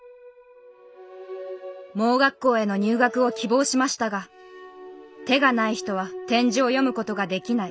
盲学校への入学を希望しましたが「手がない人は点字を読むことができない。